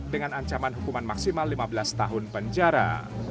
dengan ancaman hukuman maksimal lima belas tahun penjara